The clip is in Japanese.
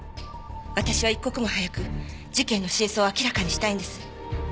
私は一刻も早く事件の真相を明らかにしたいんです。